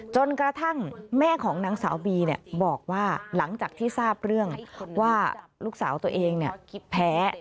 จนกระทั่งแม่ของนางสาวบีบอกว่าหลังจากที่ทราบเรื่องว่าลูกสาวตัวเองแพ้